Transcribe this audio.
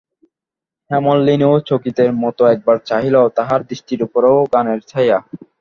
হেমনলিনীও চকিতের মতো একবার চাহিল, তাহার দৃষ্টির উপরেও গানের ছায়া।